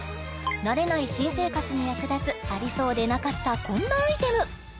慣れない新生活に役立つありそうでなかったこんなアイテム